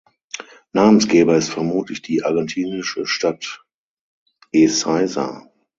Namensgeber ist vermutlich die argentinische Stadt Ezeiza.